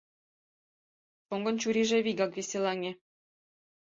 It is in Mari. Шоҥгын чурийже вигак веселаҥе.